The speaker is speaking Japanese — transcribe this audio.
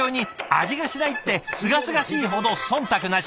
「味がしない」ってすがすがしいほどそんたくなし！